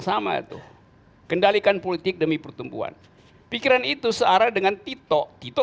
jika tidak adanya siap proses governor soekarno dan recrego